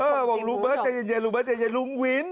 เออบอกลุงเบาะลุงเบาะรุงวิน